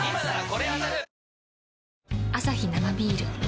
アサヒ生ビール